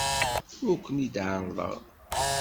Ur ken-id-ɛerrḍeɣ.